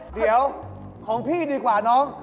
เดี๋ยวของพี่ดีกว่าน้อง